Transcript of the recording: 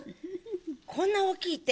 こんな大きい手！